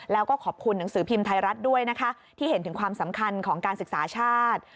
แล้วก็ขอบคุณหนังสือพิมพ์ไทยรัฐด้วยนะคะที่เห็นถึงความสำคัญของการศึกษาชาติ